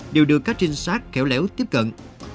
đều được các trinh sát khéo léo tiếp cận